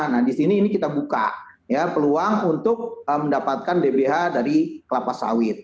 nah di sini ini kita buka peluang untuk mendapatkan dbh dari kelapa sawit